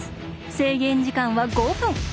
制限時間は５分。